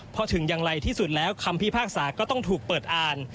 พอถึงอย่างไรที่สุดแล้วคำพิพากษาก็ต้องถูกเปิดอ่าน